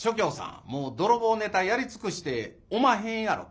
もう泥棒ネタやり尽くしておまへんやろ」と。